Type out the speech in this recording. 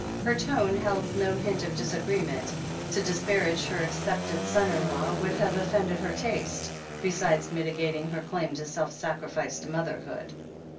Her tone held no hint of disagreement. To dis parage her accepted son in law would have offended her taste, besides mitigating her claim to self sacrificed motherhood.